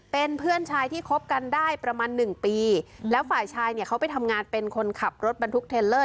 เป็นเพื่อนชายที่คบกันได้ประมาณหนึ่งปีแล้วฝ่ายชายเนี่ยเขาไปทำงานเป็นคนขับรถบรรทุกเทลเลอร์